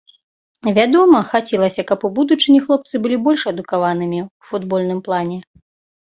Вядома, хацелася, каб у будучыні хлопцы былі больш адукаванымі ў футбольным плане.